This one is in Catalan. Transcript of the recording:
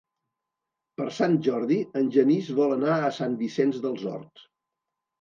Per Sant Jordi en Genís vol anar a Sant Vicenç dels Horts.